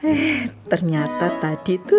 eh ternyata tadi tuh